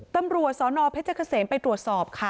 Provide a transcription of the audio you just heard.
ตำรวจสนเพชรเกษมไปตรวจสอบค่ะ